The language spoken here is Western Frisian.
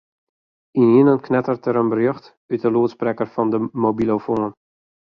Ynienen knetteret der in berjocht út de lûdsprekker fan de mobilofoan.